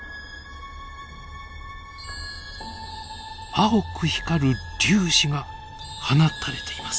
青く光る粒子が放たれています。